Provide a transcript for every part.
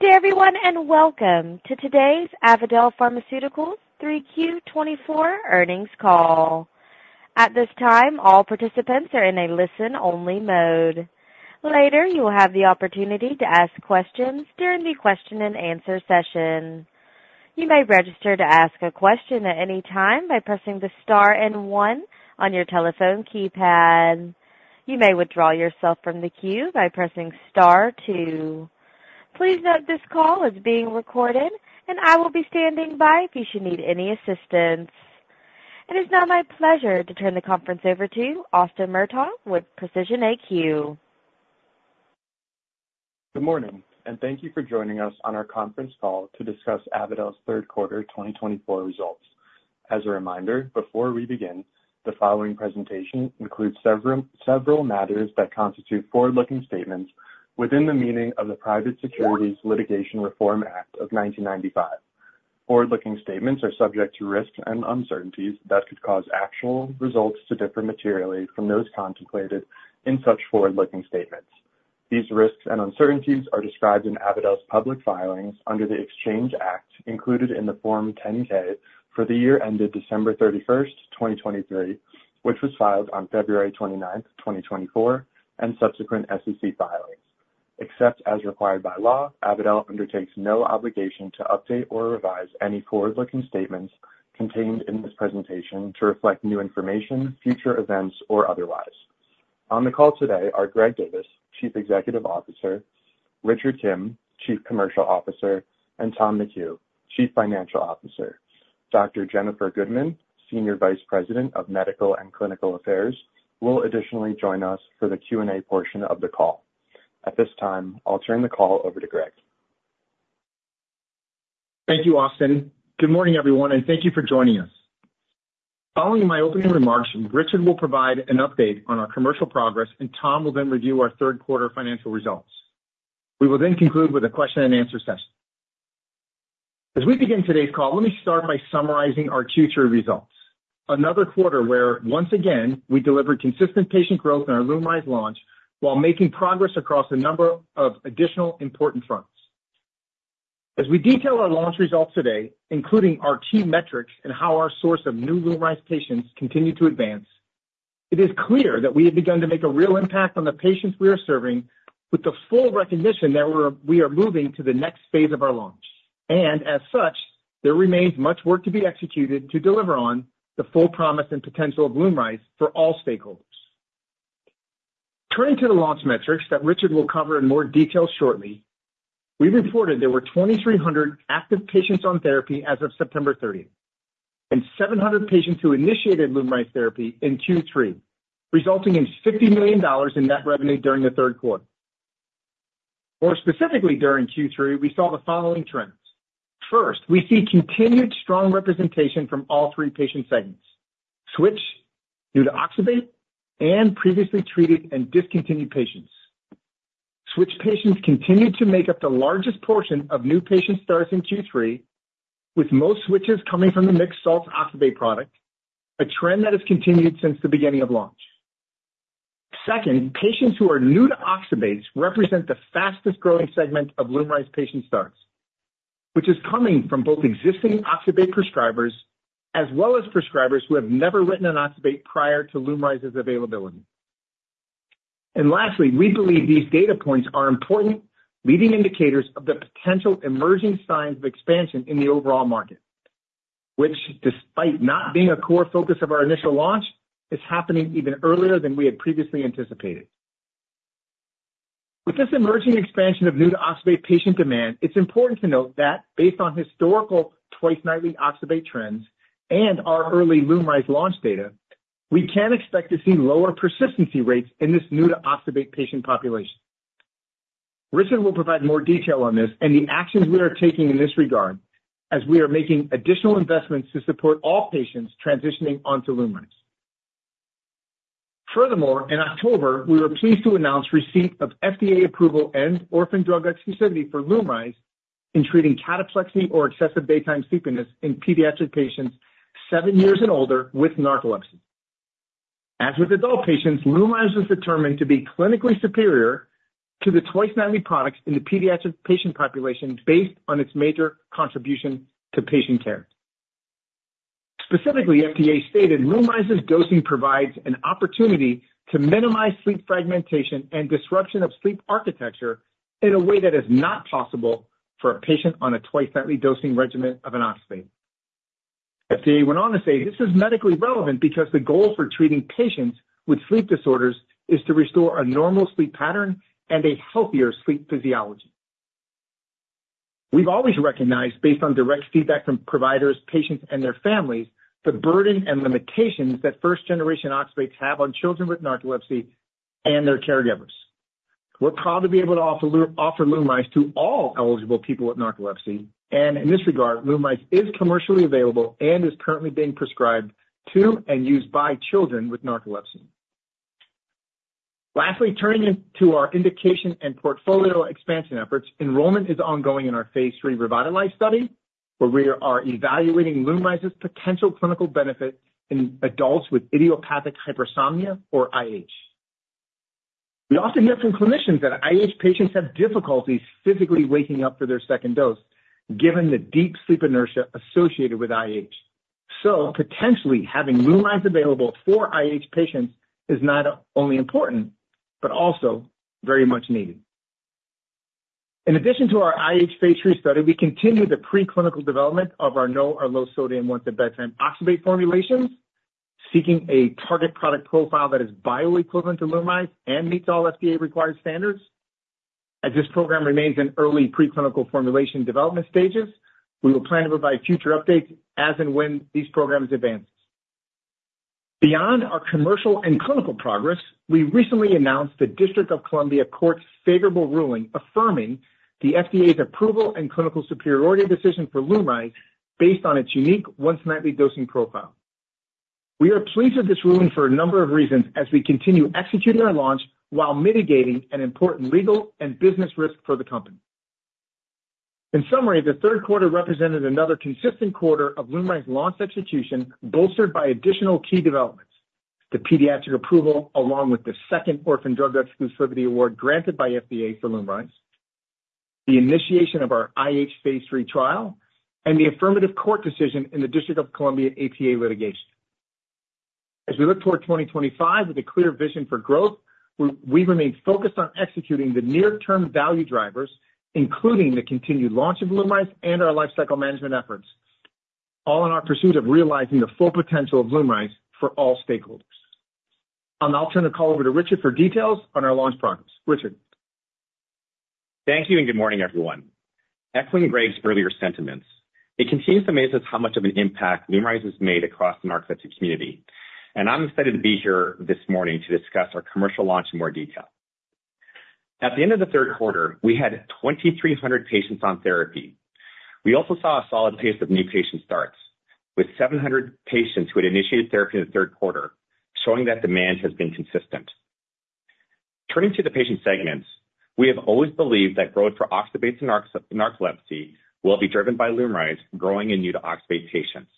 Good day, everyone, and welcome to today's Avadel Pharmaceuticals Q3 2024 Earnings Call. At this time, all participants are in a listen-only mode. Later, you will have the opportunity to ask questions during the question-and-answer session. You may register to ask a question at any time by pressing the star and one on your telephone keypad. You may withdraw yourself from the queue by pressing star two. Please note this call is being recorded, and I will be standing by if you should need any assistance. It is now my pleasure to turn the conference over to Austin Murtagh with Precision AQ. Good morning, and thank you for joining us on our conference call to discuss Avadel's Q3 2024 Results. As a reminder, before we begin, the following presentation includes several matters that constitute forward-looking statements within the meaning of the Private Securities Litigation Reform Act of 1995. Forward-looking statements are subject to risks and uncertainties that could cause actual results to differ materially from those contemplated in such forward-looking statements. These risks and uncertainties are described in Avadel's public filings under the Exchange Act included in the Form 10-K for the year ended December 31st, 2023, which was filed on February 29th, 2024, and subsequent SEC filings. Except as required by law, Avadel undertakes no obligation to update or revise any forward-looking statements contained in this presentation to reflect new information, future events, or otherwise. On the call today are Greg Divis, Chief Executive Officer, Richard Kim, Chief Commercial Officer, and Tom McHugh, Chief Financial Officer. Dr. Jennifer Gudeman, Senior Vice President of Medical and Clinical Affairs, will additionally join us for the Q&A portion of the call. At this time, I'll turn the call over to Greg. Thank you, Austin. Good morning, everyone, and thank you for joining us. Following my opening remarks, Richard will provide an update on our commercial progress, and Tom will then review our Q3 financial results. We will then conclude with a question-and-answer session. As we begin today's call, let me start by summarizing our Q3 results. Another quarter where, once again, we delivered consistent patient growth in our Lumryz launch while making progress across a number of additional important fronts. As we detail our launch results today, including our key metrics and how our source of new Lumryz patients continued to advance, it is clear that we have begun to make a real impact on the patients we are serving with the full recognition that we are moving to the next phase of our launch. And as such, there remains much work to be executed to deliver on the full promise and potential of Lumryz for all stakeholders. Turning to the launch metrics that Richard will cover in more detail shortly, we reported there were 2,300 active patients on therapy as of September 30th and 700 patients who initiated Lumryz therapy in Q3, resulting in $50 million in net revenue during the Q3. More specifically, during Q3, we saw the following trends. First, we see continued strong representation from all three patient segments: switch due to oxybate and previously treated and discontinued patients. Switch patients continue to make up the largest portion of new patients starting Q3, with most switches coming from the mixed-salt oxybate product, a trend that has continued since the beginning of launch. Second, patients who are new to oxybates represent the fastest-growing segment of Lumryz patient starts, which is coming from both existing oxybate prescribers as well as prescribers who have never written an oxybate prior to Lumryz's availability, and lastly, we believe these data points are important leading indicators of the potential emerging signs of expansion in the overall market, which, despite not being a core focus of our initial launch, is happening even earlier than we had previously anticipated. With this emerging expansion of new to oxybate patient demand, it's important to note that based on historical twice-nightly oxybate trends and our early Lumryz launch data, we can expect to see lower persistency rates in this new to oxybate patient population. Richard will provide more detail on this and the actions we are taking in this regard as we are making additional investments to support all patients transitioning onto Lumryz. Furthermore, in October, we were pleased to announce receipt of FDA approval of orphan drug exclusivity for Lumryz in treating cataplexy or excessive daytime sleepiness in pediatric patients seven years and older with narcolepsy. As with adult patients, Lumryz was determined to be clinically superior to the twice-nightly products in the pediatric patient population based on its major contribution to patient care. Specifically, FDA stated Lumryz's dosing provides an opportunity to minimize sleep fragmentation and disruption of sleep architecture in a way that is not possible for a patient on a twice-nightly dosing regimen of an oxybate. FDA went on to say this is medically relevant because the goal for treating patients with sleep disorders is to restore a normal sleep pattern and a healthier sleep physiology. We've always recognized, based on direct feedback from providers, patients, and their families, the burden and limitations that first-generation oxybates have on children with narcolepsy and their caregivers. We're proud to be able to offer Lumryz to all eligible people with narcolepsy, and in this regard, Lumryz is commercially available and is currently being prescribed to and used by children with narcolepsy. Lastly, turning to our indication and portfolio expansion efforts, enrollment is ongoing in our phase III REVITALYZ study, where we are evaluating Lumryz's potential clinical benefit in adults with idiopathic hypersomnia, or IH. We often hear from clinicians that IH patients have difficulties physically waking up for their second dose, given the deep sleep inertia associated with IH. So potentially having Lumryz available for IH patients is not only important but also very much needed. In addition to our IH phase III study, we continue the preclinical development of our no or low-sodium once-at-bedtime oxybate formulations, seeking a target product profile that is bioequivalent to Lumryz and meets all FDA-required standards. As this program remains in early preclinical formulation development stages, we will plan to provide future updates as and when these programs advance. Beyond our commercial and clinical progress, we recently announced the District of Columbia Court's favorable ruling affirming the FDA's approval and clinical superiority decision for Lumryz based on its unique once-nightly dosing profile. We are pleased with this ruling for a number of reasons as we continue executing our launch while mitigating an important legal and business risk for the company. In summary, the Q3 represented another consistent quarter of Lumryz launch execution bolstered by additional key developments: the pediatric approval, along with the second Orphan Drug Exclusivity Award granted by FDA for Lumryz, the initiation of our IH phase III trial, and the affirmative court decision in the District of Columbia APA litigation. As we look toward 2025 with a clear vision for growth, we remain focused on executing the near-term value drivers, including the continued launch of Lumryz and our lifecycle management efforts, all in our pursuit of realizing the full potential of Lumryz for all stakeholders. I'll now turn the call over to Richard for details on our launch progress. Richard. Thank you and good morning, everyone. Echoing Greg's earlier sentiments, it continues to amaze us how much of an impact Lumryz has made across the narcoleptic community, and I'm excited to be here this morning to discuss our commercial launch in more detail. At the end of the Q3, we had 2,300 patients on therapy. We also saw a solid pace of new patient starts, with 700 patients who had initiated therapy in the Q3, showing that demand has been consistent. Turning to the patient segments, we have always believed that growth for oxybates and narcolepsy will be driven by Lumryz growing in new to oxybate patients,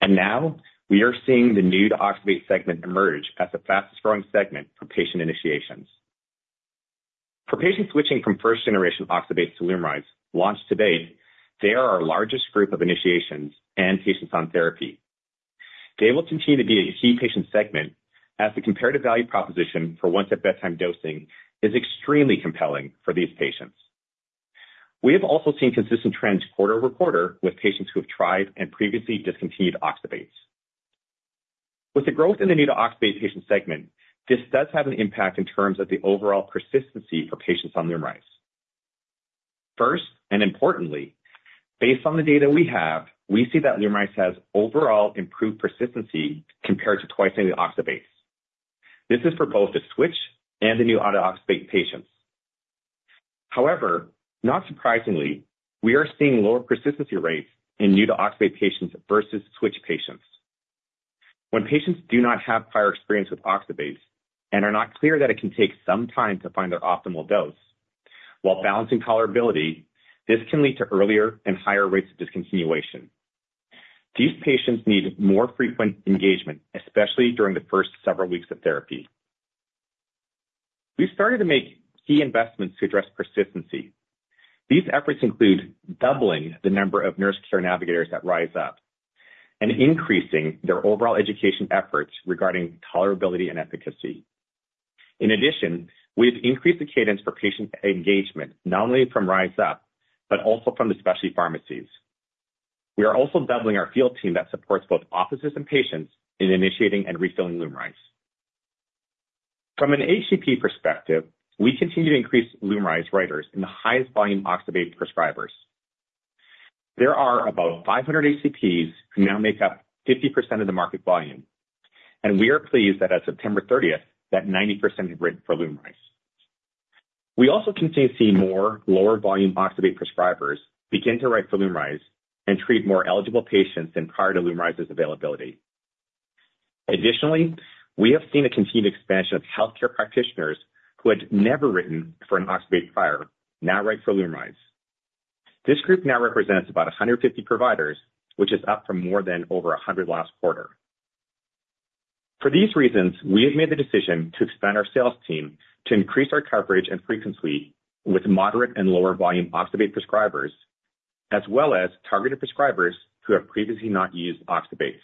and now we are seeing the new to oxybate segment emerge as the fastest-growing segment for patient initiations. For patients switching from first-generation oxybates to Lumryz launched to date, they are our largest group of initiations and patients on therapy. They will continue to be a key patient segment as the comparative value proposition for once-at-bedtime dosing is extremely compelling for these patients. We have also seen consistent trends quarter over quarter with patients who have tried and previously discontinued oxybates. With the growth in the new to oxybate patient segment, this does have an impact in terms of the overall persistency for patients on Lumryz. First, and importantly, based on the data we have, we see that Lumryz has overall improved persistency compared to twice-nightly oxybates. This is for both the switch and the new to oxybate patients. However, not surprisingly, we are seeing lower persistency rates in new to oxybate patients versus switch patients. When patients do not have prior experience with oxybates and are not clear that it can take some time to find their optimal dose, while balancing tolerability, this can lead to earlier and higher rates of discontinuation. These patients need more frequent engagement, especially during the first several weeks of therapy. We've started to make key investments to address persistency. These efforts include doubling the number of nurse care navigators at RyzUp and increasing their overall education efforts regarding tolerability and efficacy. In addition, we've increased the cadence for patient engagement, not only from RyzUp, but also from the specialty pharmacies. We are also doubling our field team that supports both offices and patients in initiating and refilling Lumryz. From an ACP perspective, we continue to increase Lumryz writers in the highest volume oxybate prescribers. There are about 500 ACPs who now make up 50% of the market volume, and we are pleased that at September 30th, that 90% have written for Lumryz. We also continue to see more lower volume oxybate prescribers begin to write for Lumryz and treat more eligible patients than prior to Lumryz's availability. Additionally, we have seen a continued expansion of healthcare practitioners who had never written for an oxybate prior now write for Lumryz. This group now represents about 150 providers, which is up from more than over 100 last quarter. For these reasons, we have made the decision to expand our sales team to increase our coverage and frequency with moderate and lower volume oxybate prescribers, as well as targeted prescribers who have previously not used oxybates,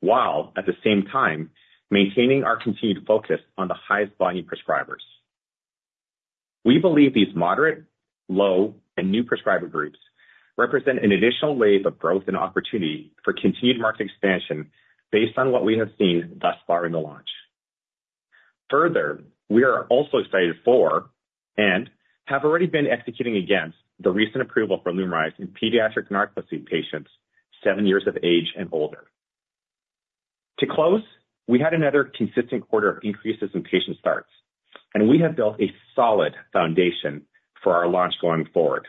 while at the same time maintaining our continued focus on the highest volume prescribers. We believe these moderate, low, and new prescriber groups represent an additional wave of growth and opportunity for continued market expansion based on what we have seen thus far in the launch. Further, we are also excited for and have already been executing against the recent approval for Lumryz in pediatric narcolepsy patients seven years of age and older. To close, we had another consistent quarter of increases in patient starts, and we have built a solid foundation for our launch going forward.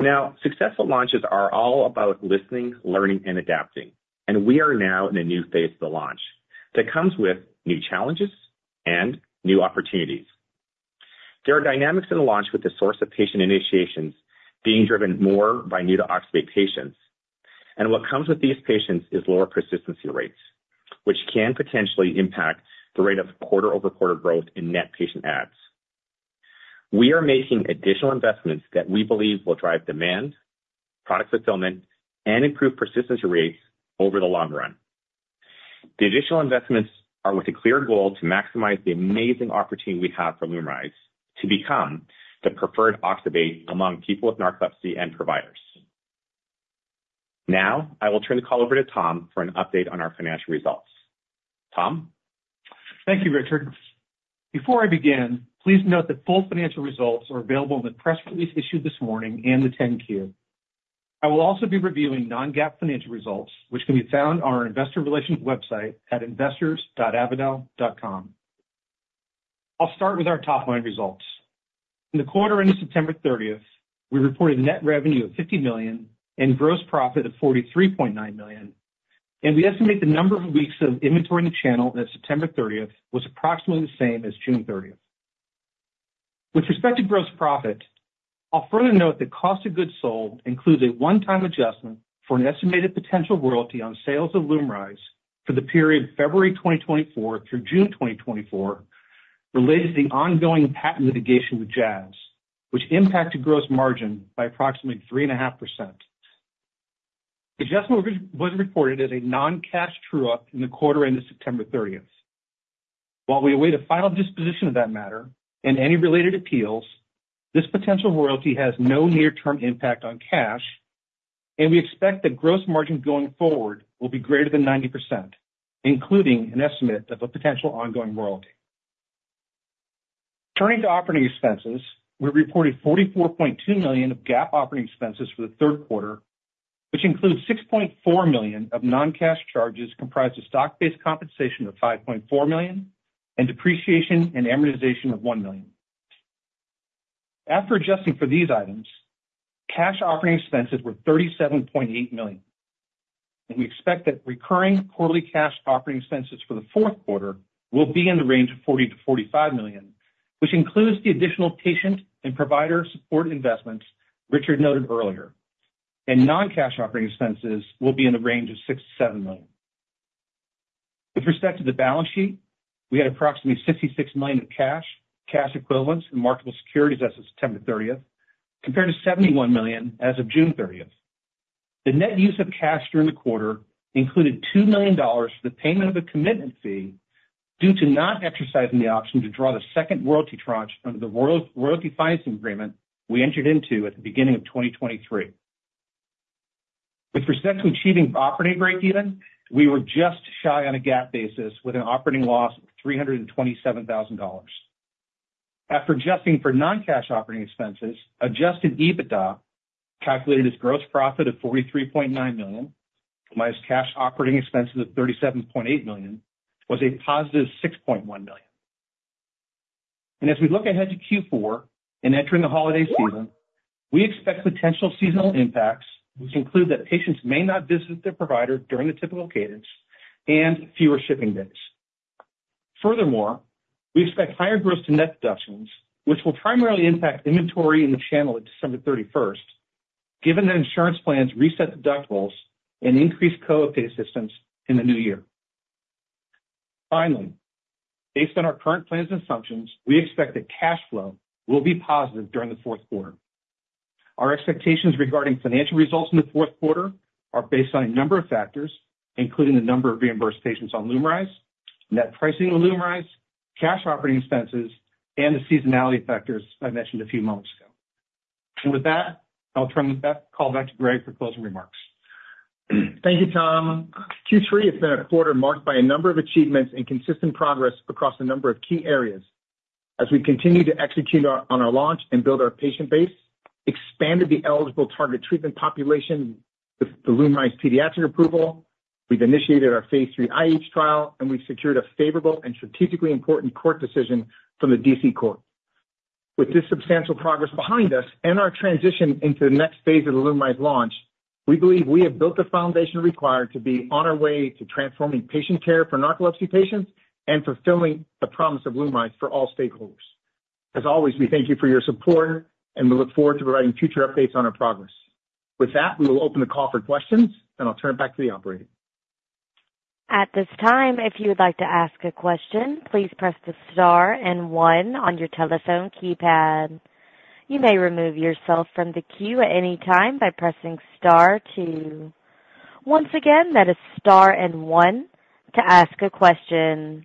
Now, successful launches are all about listening, learning, and adapting, and we are now in a new phase of the launch that comes with new challenges and new opportunities. There are dynamics in the launch with the source of patient initiations being driven more by new to oxybate patients. And what comes with these patients is lower persistency rates, which can potentially impact the rate of quarter-over-quarter growth in net patient adds. We are making additional investments that we believe will drive demand, product fulfillment, and improve persistency rates over the long run. The additional investments are with a clear goal to maximize the amazing opportunity we have for Lumryz to become the preferred oxybate among people with narcolepsy and providers. Now, I will turn the call over to Tom for an update on our financial results. Tom? Thank you, Richard. Before I begin, please note that full financial results are available in the press release issued this morning and the 10-Q. I will also be reviewing non-GAAP financial results, which can be found on our investor relations website at investors.avadel.com. I'll start with our top-line results. In the quarter end of September 30th, we reported net revenue of $50 million and gross profit of $43.9 million. We estimate the number of weeks of inventory in the channel that September 30th was approximately the same as June 30th. With respect to gross profit, I'll further note that cost of goods sold includes a one-time adjustment for an estimated potential royalty on sales of Lumryz for the period February 2024 through June 2024 related to the ongoing patent litigation with Jazz, which impacted gross margin by approximately 3.5%. The adjustment was reported as a non-cash true-up in the quarter ended September 30th. While we await a final disposition of that matter and any related appeals, this potential royalty has no near-term impact on cash, and we expect that gross margin going forward will be greater than 90%, including an estimate of a potential ongoing royalty. Turning to operating expenses, we reported $44.2 million of GAAP operating expenses for the Q3, which includes $6.4 million of non-cash charges comprised of stock-based compensation of $5.4 million and depreciation and amortization of $1 million. After adjusting for these items, cash operating expenses were $37.8 million, and we expect that recurring quarterly cash operating expenses for the Q4 will be in the range of $40 million-$45 million, which includes the additional patient and provider support investments Richard noted earlier. Non-cash operating expenses will be in the range of $6 million-$7 million. With respect to the balance sheet, we had approximately $66 million of cash, cash equivalents, and marketable securities as of September 30th, compared to $71 million as of June 30th. The net use of cash during the quarter included $2 million for the payment of a commitment fee due to not exercising the option to draw the second royalty tranche under the royalty financing agreement we entered into at the beginning of 2023. With respect to achieving operating break-even, we were just shy on a GAAP basis with an operating loss of $327,000. After adjusting for non-cash operating expenses, Adjusted EBITDA calculated as gross profit of $43.9 million minus cash operating expenses of $37.8 million was a positive $6.1 million. And as we look ahead to Q4 and entering the holiday season, we expect potential seasonal impacts, which include that patients may not visit their provider during the typical cadence and fewer shipping days. Furthermore, we expect higher gross-to-net deductions, which will primarily impact inventory in the channel at December 31st, given that insurance plans reset deductibles and increased copay assistance in the new year. Finally, based on our current plans and assumptions, we expect that cash flow will be positive during the Q4. Our expectations regarding financial results in the Q4 are based on a number of factors, including the number of reimbursed patients on Lumryz, net pricing of Lumryz, cash operating expenses, and the seasonality factors I mentioned a few moments ago. And with that, I'll turn the call back to Greg for closing remarks. Thank you, Tom. Q3 has been a quarter marked by a number of achievements and consistent progress across a number of key areas. As we continue to execute on our launch and build our patient base, we expanded the eligible target treatment population with the Lumryz pediatric approval. We've initiated our phase III IH trial, and we've secured a favorable and strategically important court decision from the D.C. Court. With this substantial progress behind us and our transition into the next phase of the Lumryz launch, we believe we have built the foundation required to be on our way to transforming patient care for narcolepsy patients and fulfilling the promise of Lumryz for all stakeholders. As always, we thank you for your support, and we look forward to providing future updates on our progress. With that, we will open the call for questions, and I'll turn it back to the operator. At this time, if you would like to ask a question, please press the star and one on your telephone keypad. You may remove yourself from the queue at any time by pressing star two. Once again, that is star and one to ask a question.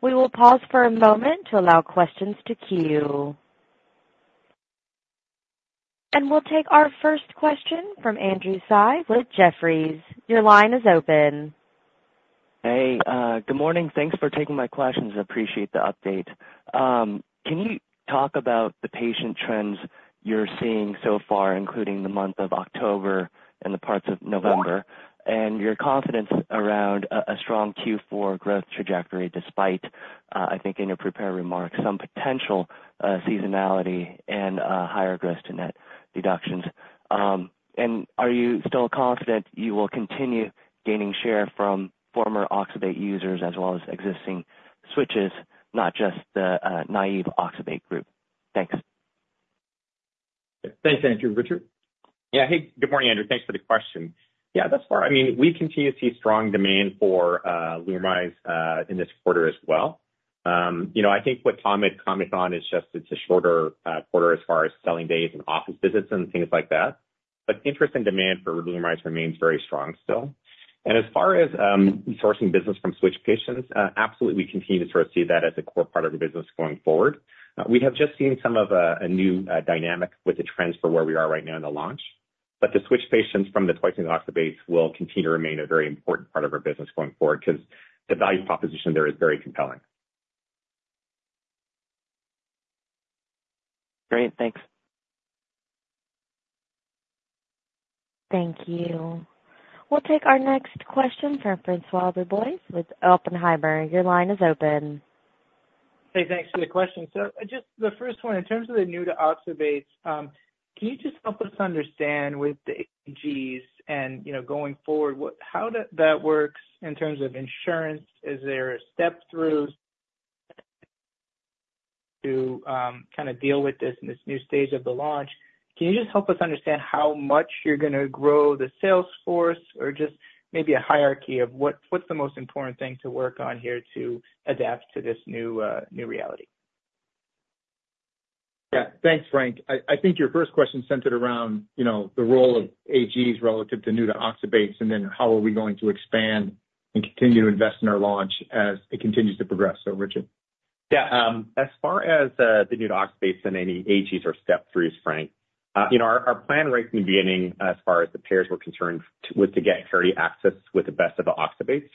We will pause for a moment to allow questions to queue. And we'll take our first question from Andrew Tsai with Jefferies. Your line is open. Hey, good morning. Thanks for taking my questions. I appreciate the update. Can you talk about the patient trends you're seeing so far, including the month of October and the parts of November, and your confidence around a strong Q4 growth trajectory despite, I think, in your prepared remarks, some potential seasonality and higher gross-to-net deductions? And are you still confident you will continue gaining share from former oxybate users as well as existing switches, not just the naive oxybate group? Thanks. Thanks, Andrew. Richard? Yeah, hey, good morning, Andrew. Thanks for the question. Yeah, thus far, I mean, we continue to see strong demand for Lumryz in this quarter as well. I think what Tom had commented on is just it's a shorter quarter as far as selling days and office visits and things like that, but interest and demand for Lumryz remains very strong still. And as far as securing business from switch patients, absolutely, we continue to sort of see that as a core part of our business going forward. We have just seen some of a new dynamic with the trends for where we are right now in the launch, but the switch patients from the twice-nightly oxybates will continue to remain a very important part of our business going forward because the value proposition there is very compelling. Great. Thanks. Thank you. We'll take our next question from François Brisebois with Oppenheimer. Your line is open. Hey, thanks for the question. So just the first one, in terms of the new to oxybates, can you just help us understand with the AGs and going forward, how that works in terms of insurance? Is there a step through to kind of deal with this in this new stage of the launch? Can you just help us understand how much you're going to grow the sales force or just maybe a hierarchy of what's the most important thing to work on here to adapt to this new reality? Yeah, thanks, Frank. I think your first question centered around the role of AGs relative to new to oxybates and then how are we going to expand and continue to invest in our launch as it continues to progress. So, Richard. Yeah. As far as the new to oxybates and any AGs or step throughs, Frank, our plan right from the beginning as far as the payers were concerned was to get parity access with the best of the oxybates.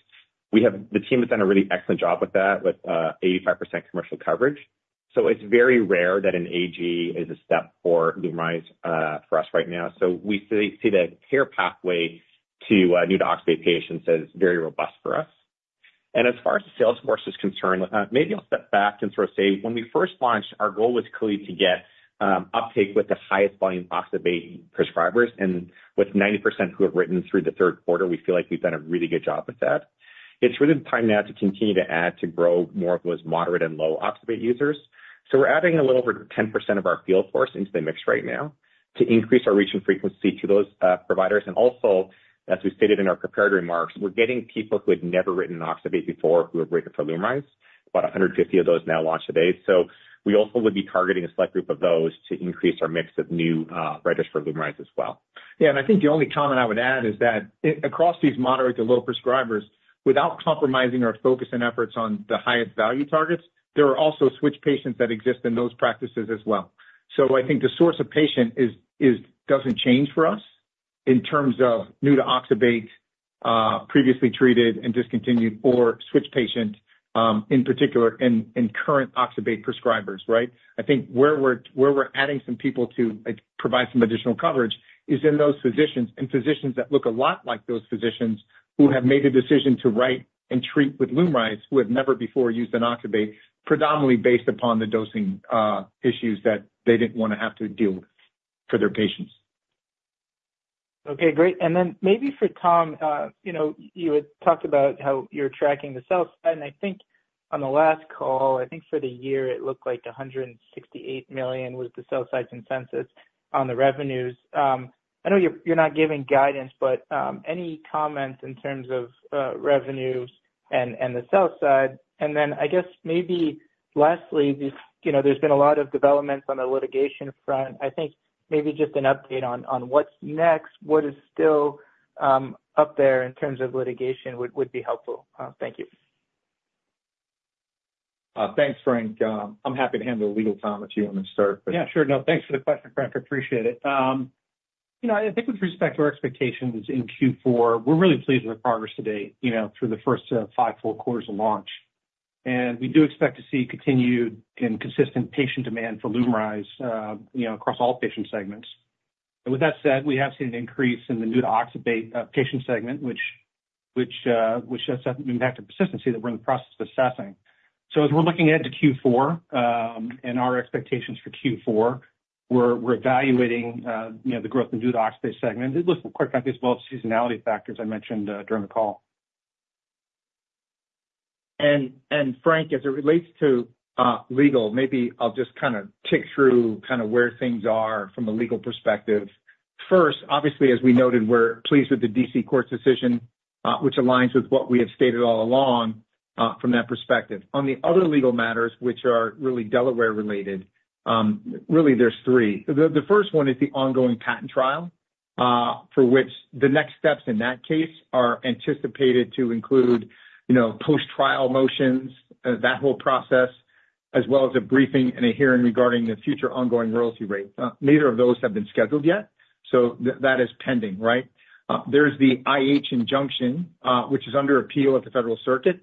The team has done a really excellent job with that with 85% commercial coverage. So it's very rare that an AG is a step for Lumryz for us right now. So we see the care pathway to new to oxybate patients as very robust for us, and as far as the sales force is concerned, maybe I'll step back and sort of say when we first launched, our goal was clearly to get uptake with the highest volume oxybate prescribers, and with 90% who have written through the Q3, we feel like we've done a really good job with that. It's really the time now to continue to add to grow more of those moderate and low oxybate users. So we're adding a little over 10% of our field force into the mix right now to increase our reach and frequency to those providers. And also, as we stated in our prepared remarks, we're getting people who had never written an oxybate before who have written for Lumryz, about 150 of those now launched today. So we also would be targeting a select group of those to increase our mix of new writers for Lumryz as well. Yeah, and I think the only comment I would add is that across these moderate to low prescribers, without compromising our focus and efforts on the highest value targets, there are also switch patients that exist in those practices as well. So I think the source of patient doesn't change for us in terms of new to oxybate, previously treated and discontinued, or switch patient in particular in current oxybate prescribers, right? I think where we're adding some people to provide some additional coverage is in those physicians and physicians that look a lot like those physicians who have made the decision to write and treat with Lumryz who have never before used an oxybate, predominantly based upon the dosing issues that they didn't want to have to deal with for their patients. Okay, great. And then maybe for Tom, you had talked about how you're tracking the sell-side. And I think on the last call, I think for the year, it looked like $168 million was the sell-side consensus on the revenues. I know you're not giving guidance, but any comments in terms of revenues and the sell-side? And then I guess maybe lastly, there's been a lot of developments on the litigation front. I think maybe just an update on what's next, what is still up there in terms of litigation would be helpful. Thank you. Thanks, Frank. I'm happy to handle legal time if you want to start. But. Yeah, sure. No, thanks for the question, Frank. I appreciate it. I think with respect to our expectations in Q4, we're really pleased with the progress today through the first five full quarters of launch, and we do expect to see continued and consistent patient demand for Lumryz across all patient segments. And with that said, we have seen an increase in the new to oxybate patient segment, which shows an impact of persistency that we're in the process of assessing, so as we're looking ahead to Q4 and our expectations for Q4, we're evaluating the growth in the new to oxybate segment. It looks quite a bit as well as seasonality factors I mentioned during the call. And, Frank, as it relates to legal, maybe I'll just kind of tick through kind of where things are from a legal perspective. First, obviously, as we noted, we're pleased with the D.C. Court's decision, which aligns with what we have stated all along from that perspective. On the other legal matters, which are really Delaware-related, really there's three. The first one is the ongoing patent trial, for which the next steps in that case are anticipated to include post-trial motions, that whole process, as well as a briefing and a hearing regarding the future ongoing royalty rate. Neither of those have been scheduled yet. So that is pending, right? There's the IH injunction, which is under appeal at the Federal Circuit.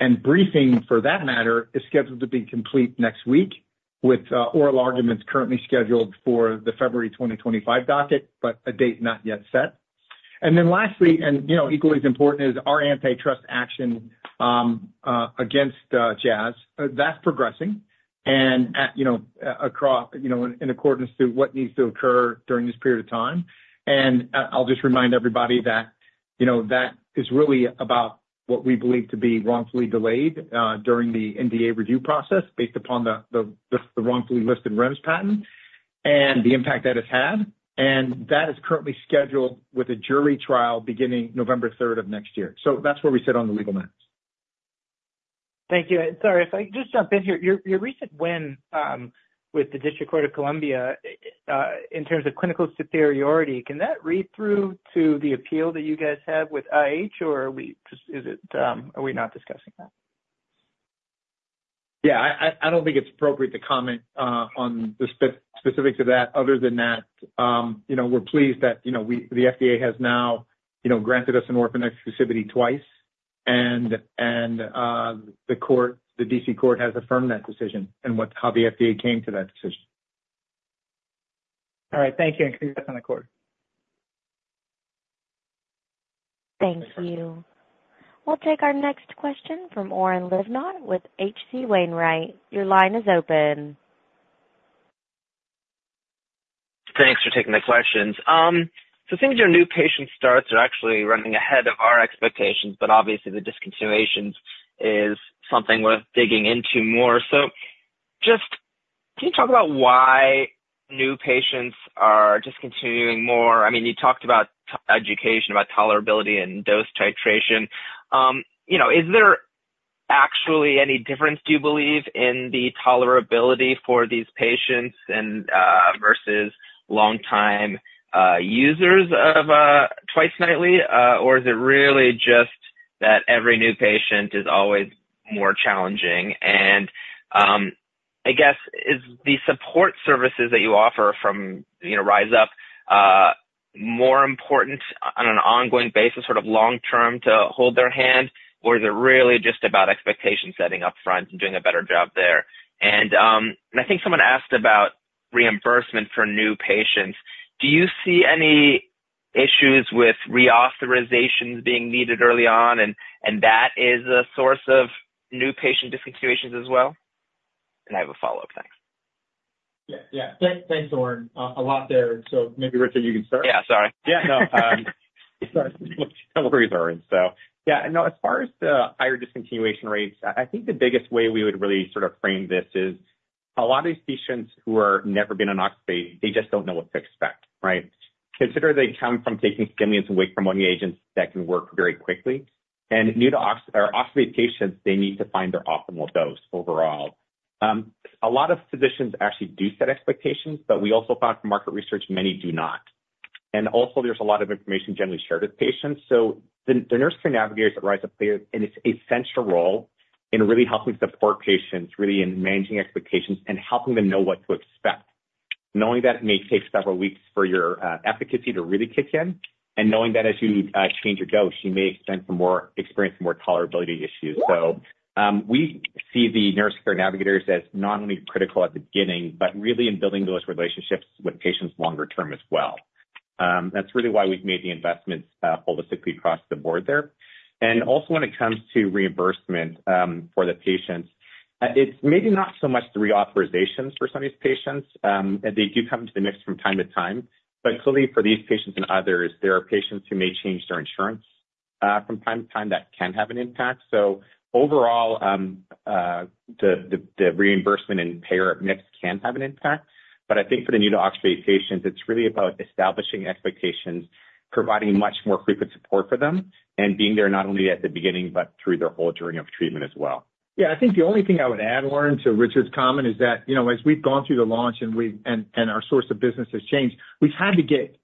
And briefing for that matter is scheduled to be complete next week with oral arguments currently scheduled for the February 2025 docket, but a date not yet set. Then lastly, and equally as important is our antitrust action against Jazz. That's progressing and in accordance to what needs to occur during this period of time. I'll just remind everybody that that is really about what we believe to be wrongfully delayed during the NDA review process based upon the wrongfully listed REMS patent and the impact that it's had. That is currently scheduled with a jury trial beginning November 3rd of next year. That's where we sit on the legal matters. Thank you. Sorry, if I could just jump in here. Your recent win with the District of Columbia in terms of clinical superiority, can that read through to the appeal that you guys have with IH, or are we not discussing that? Yeah, I don't think it's appropriate to comment on the specifics of that. Other than that, we're pleased that the FDA has now granted us an orphan exclusivity twice, and the DC Court has affirmed that decision and how the FDA came to that decision. All right. Thank you, and congrats on the court. Thank you. We'll take our next question from Oren Livnot with H.C. Wainwright. Your line is open. Thanks for taking the questions. So seeing as your new patient starts are actually running ahead of our expectations, but obviously, the discontinuations is something we're digging into more. So just can you talk about why new patients are discontinuing more? I mean, you talked about education about tolerability and dose titration. Is there actually any difference, do you believe, in the tolerability for these patients versus long-time users of twice nightly? Or is it really just that every new patient is always more challenging? And I guess, is the support services that you offer from RyzUp more important on an ongoing basis, sort of long-term to hold their hand, or is it really just about expectation setting up front and doing a better job there? And I think someone asked about reimbursement for new patients. Do you see any issues with reauthorizations being needed early on? And that is a source of new patient discontinuations as well? And I have a follow-up. Thanks. Yeah, yeah. Thanks, Oren. A lot there. So maybe, Richard, you can start. Yeah, sorry. Yeah, no. No worries, Oren. So yeah, no, as far as the higher discontinuation rates, I think the biggest way we would really sort of frame this is a lot of these patients who have never been on oxybate, they just don't know what to expect, right? Consider they come from taking stimulants and wake-promoting agents that can work very quickly. And new to oxybate patients, they need to find their optimal dose overall. A lot of physicians actually do set expectations, but we also find from market research, many do not. And also, there's a lot of information generally shared with patients. So the nurse care navigators at RyzUp play an essential role in really helping support patients really in managing expectations and helping them know what to expect. Knowing that it may take several weeks for your efficacy to really kick in and knowing that as you change your dose, you may experience more tolerability issues. So we see the nurse care navigators as not only critical at the beginning, but really in building those relationships with patients longer term as well. That's really why we've made the investments holistically across the board there. And also, when it comes to reimbursement for the patients, it's maybe not so much the reauthorizations for some of these patients. They do come into the mix from time to time. But clearly, for these patients and others, there are patients who may change their insurance from time to time that can have an impact. So overall, the reimbursement and payer mix can have an impact. But I think for the new to oxybate patients, it's really about establishing expectations, providing much more frequent support for them, and being there not only at the beginning, but through their whole journey of treatment as well. Yeah, I think the only thing I would add, Oren, to Richard's comment is that as we've gone through the launch and our source of business has changed, we've had to get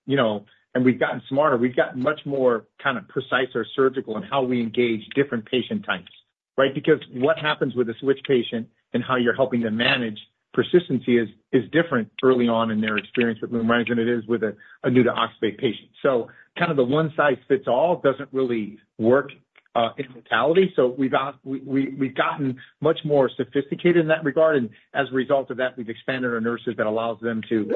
and we've gotten smarter. We've gotten much more kind of precise or surgical in how we engage different patient types, right? Because what happens with a switch patient and how you're helping them manage persistency is different early on in their experience with Lumryz than it is with a new to oxybate patient. So kind of the one-size-fits-all doesn't really work in totality. So we've gotten much more sophisticated in that regard. And as a result of that, we've expanded our nurses that allows them to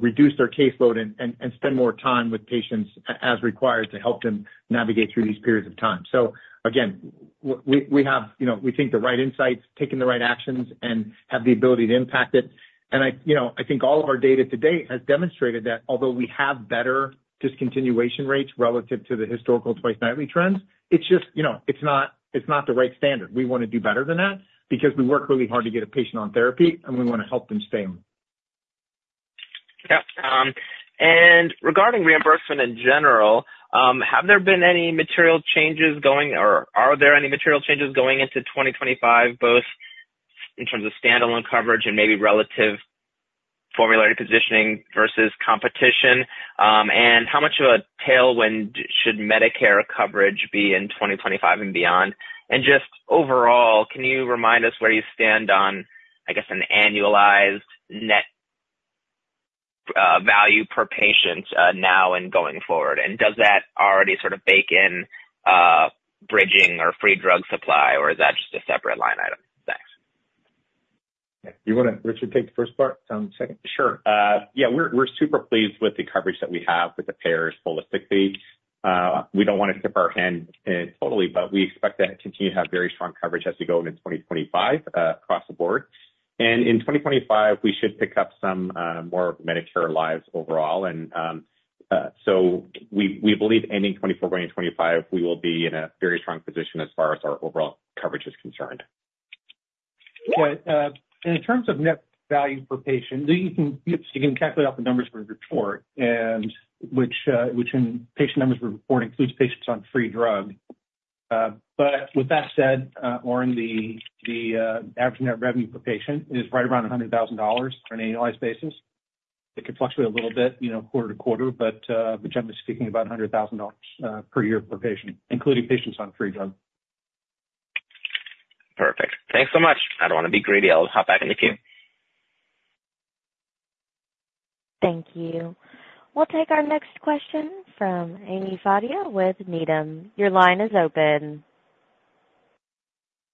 reduce their caseload and spend more time with patients as required to help them navigate through these periods of time. So again, we take the right insights, take the right actions, and have the ability to impact it. And I think all of our data to date has demonstrated that although we have better discontinuation rates relative to the historical twice nightly trends, it's not the right standard. We want to do better than that because we work really hard to get a patient on therapy, and we want to help them stay on. Yeah. And regarding reimbursement in general, have there been any material changes going or are there any material changes going into 2025, both in terms of standalone coverage and maybe relative formulary positioning versus competition? And how much of a tailwind should Medicare coverage be in 2025 and beyond? And just overall, can you remind us where you stand on, I guess, an annualized net value per patient now and going forward? And does that already sort of bake in bridging or free drug supply, or is that just a separate line item? Thanks. Yeah. You want to, Richard, take the first part? Sounds second? Sure. Yeah, we're super pleased with the coverage that we have with the payers holistically. We don't want to tip our hand totally, but we expect to continue to have very strong coverage as we go into 2025 across the board. And in 2025, we should pick up some more of Medicare lives overall. And so we believe ending 2024, going into 2025, we will be in a very strong position as far as our overall coverage is concerned. Yeah. In terms of net value per patient, you can calculate off the numbers from the report, which in patient numbers report includes patients on free drug. But with that said, Oren, the average net revenue per patient is right around $100,000 on an annualized basis. It could fluctuate a little bit, quarter-to-quarter, but generally speaking, about $100,000 per year per patient, including patients on free drug. Perfect. Thanks so much. I don't want to be greedy. I'll hop back in the queue. Thank you. We'll take our next question from Ami Fadia with Needham. Your line is open.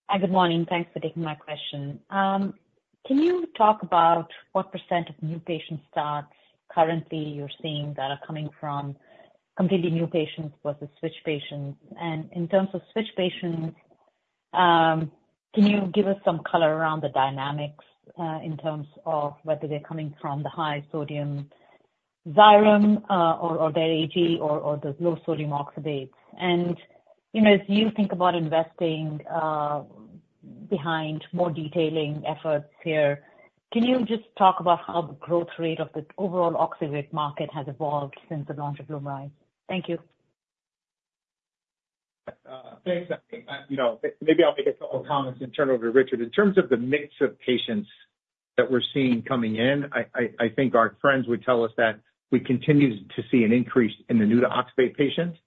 Hi, good morning. Thanks for taking my question. Can you talk about what percent of new patient starts currently you're seeing that are coming from completely new patients versus switch patients? And in terms of switch patients, can you give us some color around the dynamics in terms of whether they're coming from the high-sodium Xyrem or their AG or the low-sodium oxybates? And as you think about investing behind more detailing efforts here, can you just talk about how the growth rate of the overall oxybate market has evolved since the launch of Lumryz? Thank you. Thanks. Maybe I'll make a couple of comments and turn it over to Richard. In terms of the mix of patients that we're seeing coming in, I think our friends would tell us that we continue to see an increase in the new to oxybate patients,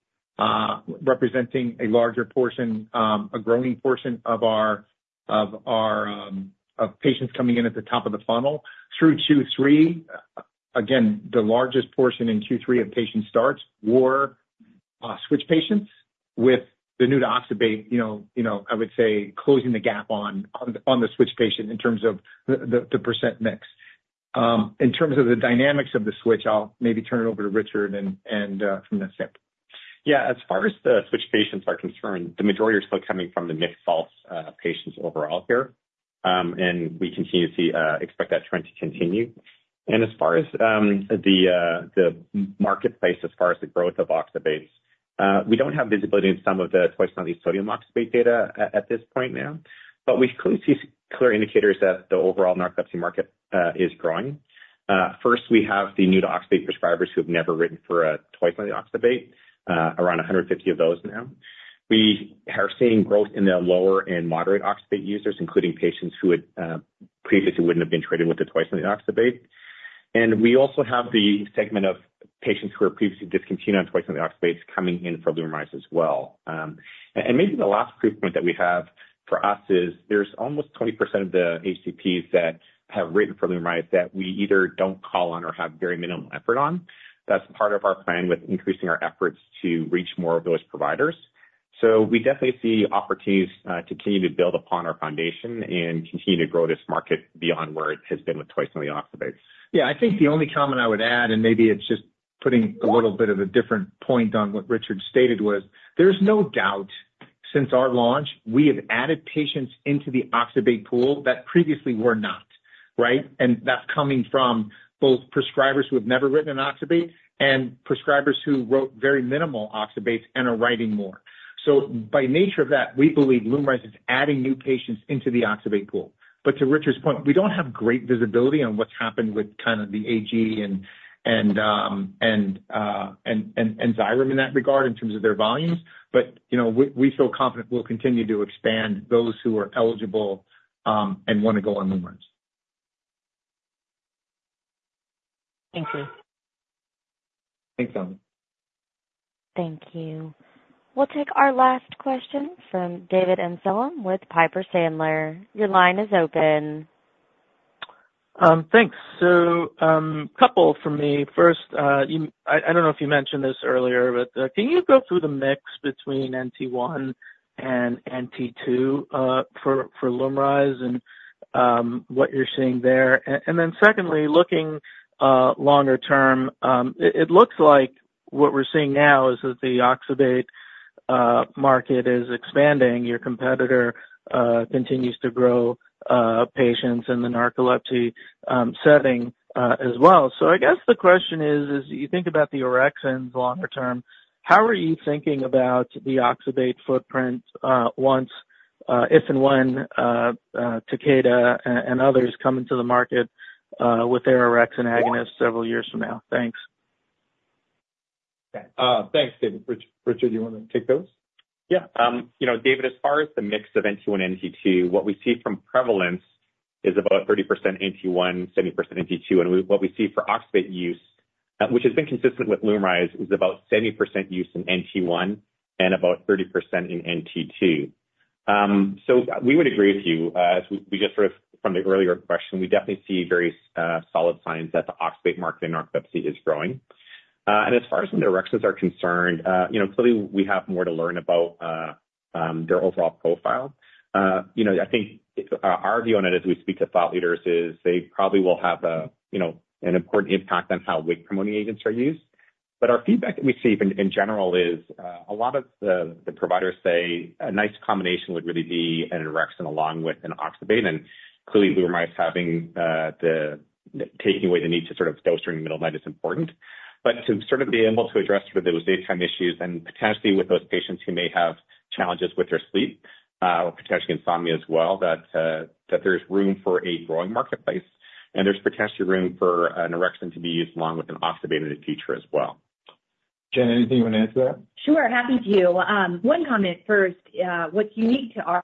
representing a larger portion, a growing portion of our patients coming in at the top of the funnel. Through Q3, again, the largest portion in Q3 of patient starts were switch patients with the new to oxybate, I would say, closing the gap on the switch patient in terms of the percent mix. In terms of the dynamics of the switch, I'll maybe turn it over to Richard from that standpoint. Yeah. As far as the switch patients are concerned, the majority are still coming from the Xywav patients overall here. And we continue to expect that trend to continue. And as far as the marketplace, as far as the growth of oxybates, we don't have visibility in some of the twice nightly sodium oxybate data at this point now. But we clearly see clear indicators that the overall narcolepsy market is growing. First, we have the new to oxybate prescribers who have never written for a twice nightly oxybate, around 150 of those now. We are seeing growth in the lower and moderate oxybate users, including patients who previously wouldn't have been treated with the twice nightly oxybate. And we also have the segment of patients who are previously discontinued on twice nightly oxybates coming in for Lumryz as well. And maybe the last proof point that we have for us is there's almost 20% of the HCPs that have written for Lumryz that we either don't call on or have very minimal effort on. That's part of our plan with increasing our efforts to reach more of those providers. So we definitely see opportunities to continue to build upon our foundation and continue to grow this market beyond where it has been with twice nightly oxybate. Yeah. I think the only comment I would add, and maybe it's just putting a little bit of a different point on what Richard stated, was there's no doubt since our launch, we have added patients into the oxybate pool that previously were not, right? And that's coming from both prescribers who have never written an oxybate and prescribers who wrote very minimal oxybates and are writing more. So by nature of that, we believe Lumryz is adding new patients into the oxybate pool. But to Richard's point, we don't have great visibility on what's happened with kind of the AG and Xyrem in that regard in terms of their volumes. But we feel confident we'll continue to expand those who are eligible and want to go on Lumryz. Thank you. Thanks, Ellen. Thank you. We'll take our last question from David Amsellem with Piper Sandler. Your line is open. Thanks. So a couple for me. First, I don't know if you mentioned this earlier, but can you go through the mix between NT1 and NT2 for Lumryz and what you're seeing there? And then secondly, looking longer term, it looks like what we're seeing now is that the oxybate market is expanding. Your competitor continues to grow patients in the narcolepsy setting as well. So I guess the question is, as you think about the orexins longer term, how are you thinking about the oxybate footprint once, if and when Takeda and others come into the market with their orexin agonists several years from now? Thanks. Thanks, David. Richard, do you want to take those? Yeah. David, as far as the mix of NT1 and NT2, what we see from prevalence is about 30% NT1, 70% NT2. And what we see for oxybate use, which has been consistent with Lumryz, is about 70% use in NT1 and about 30% in NT2. So we would agree with you. As we just heard from the earlier question, we definitely see very solid signs that the oxybate market in narcolepsy is growing. And as far as the orexins are concerned, clearly, we have more to learn about their overall profile. I think our view on it as we speak to thought leaders is they probably will have an important impact on how wake-promoting agents are used. But our feedback that we see in general is a lot of the providers say a nice combination would really be an orexin along with an oxybate. Clearly, Lumryz taking away the need to sort of dose during the middle of the night is important, but to sort of be able to address those daytime issues and potentially with those patients who may have challenges with their sleep or potentially insomnia as well, that there's room for a growing marketplace. There's potentially room for an orexin to be used along with an oxybate in the future as well. Jen, anything you want to add to that? Sure. Happy to. One comment first. What's unique to our?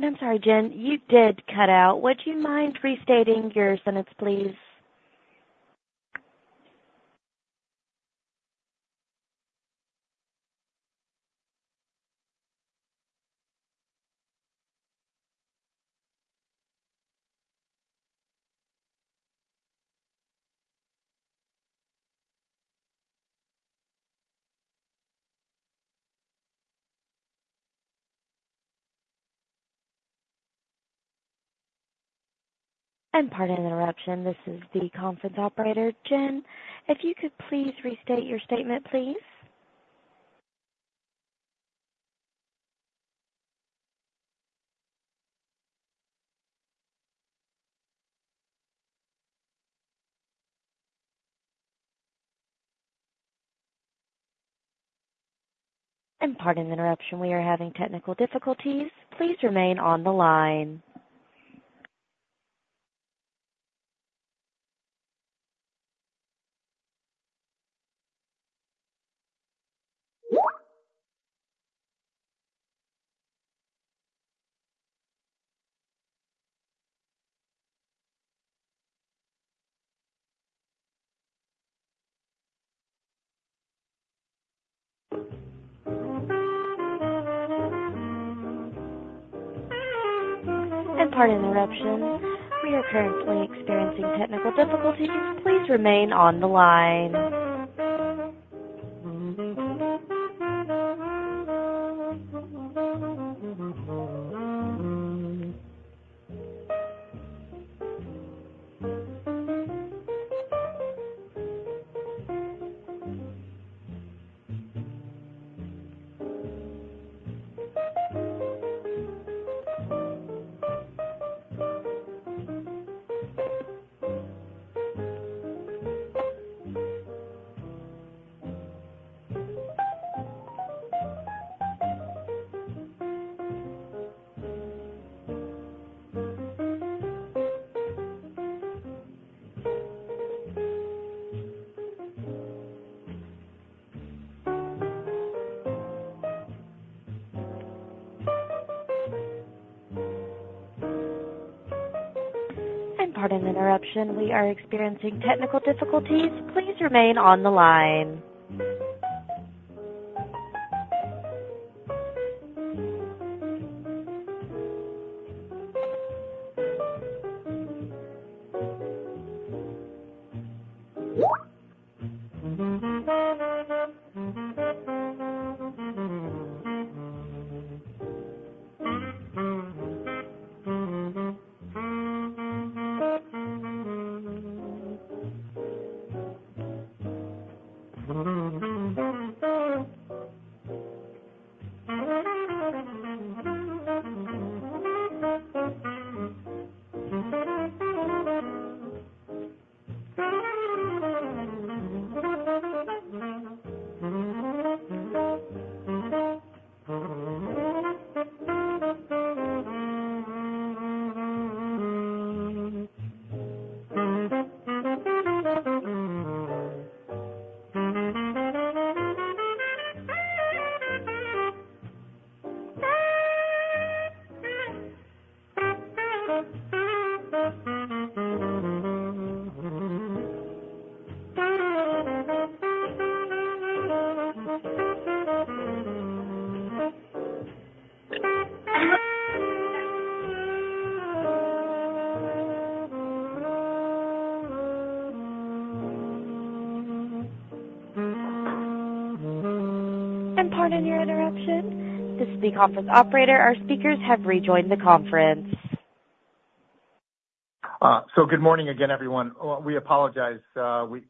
I'm sorry, Jen, you did cut out. Would you mind restating your sentence, please? Pardon the interruption. This is the conference operator, Jen. If you could please restate your statement, please. Pardon the interruption. We are having technical difficulties. Please remain on the line. Pardon the interruption. We are currently experiencing technical difficulties. Please remain on the line. Pardon the interruption. We are experiencing technical difficulties. Please remain on the line. Pardon the interruption. This is the conference operator speaking. Our speakers have rejoined the conference. So good morning again, everyone. We apologize.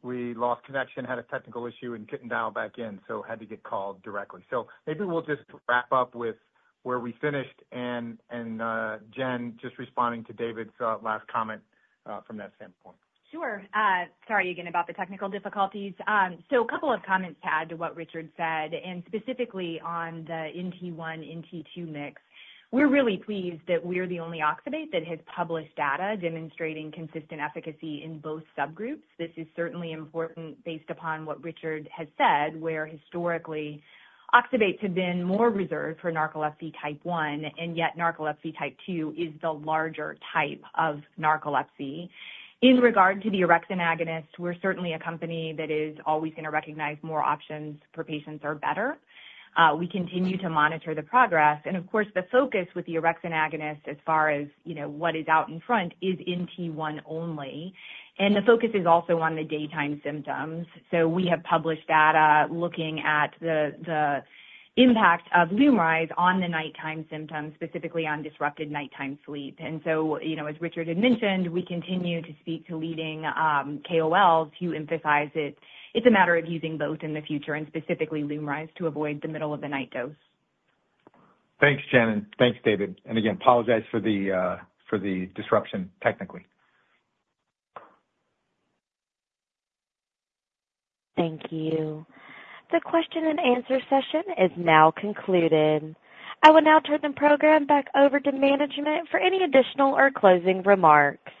We lost connection, had a technical issue, and couldn't dial back in, so had to get called directly. So maybe we'll just wrap up with where we finished and Jen just responding to David's last comment from that standpoint. Sure. Sorry again about the technical difficulties. A couple of comments add to what Richard said, and specifically on the NT1, NT2 mix. We're really pleased that we're the only oxybate that has published data demonstrating consistent efficacy in both subgroups. This is certainly important based upon what Richard has said, where historically, oxybates have been more reserved for narcolepsy type 1, and yet narcolepsy type 2 is the larger type of narcolepsy. In regard to the orexin agonist, we're certainly a company that is always going to recognize more options for patients are better. We continue to monitor the progress. Of course, the focus with the orexin agonist as far as what is out in front is NT1 only. The focus is also on the daytime symptoms. So we have published data looking at the impact of Lumryz on the nighttime symptoms, specifically on disrupted nighttime sleep. And so, as Richard had mentioned, we continue to speak to leading KOLs who emphasize that it's a matter of using both in the future and specifically Lumryz to avoid the middle of the night dose. Thanks, Jen. And thanks, David. And again, apologize for the disruption technically. Thank you. The question and answer session is now concluded. I will now turn the program back over to management for any additional or closing remarks.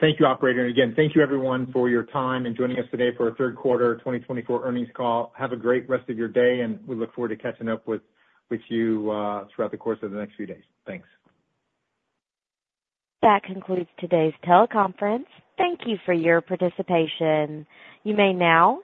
Thank you, operator, and again, thank you, everyone, for your time and joining us today for a Q3 2024 earnings call. Have a great rest of your day, and we look forward to catching up with you throughout the course of the next few days. Thanks. That concludes today's teleconference. Thank you for your participation. You may now.